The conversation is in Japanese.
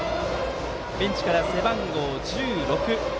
ベンチから背番号１６